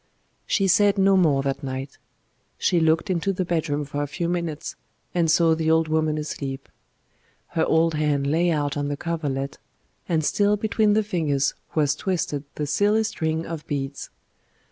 She said no more that night. She looked into the bedroom for a few minutes, and saw the old woman asleep. Her old hand lay out on the coverlet, and still between the fingers was twisted the silly string of beads.